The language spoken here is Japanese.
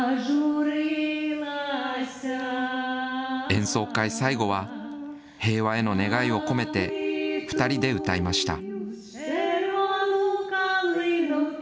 演奏会最後は、平和への願いを込めて、２人で歌いました。